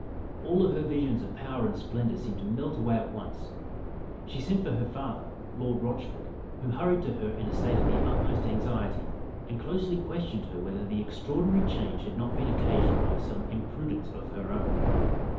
All her visions of power and splendour seemed to melt away at once. She sent for her father, Lord Rochford, who hurried to her in a state of the utmost anxiety, and closely questioned her whether the extraordinary change had not been occasioned by some imprudence of her own.